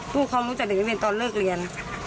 ผู้ปกครองรู้จักเด็กตอนเลิกเรียน